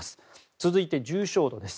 続いて、重症度です。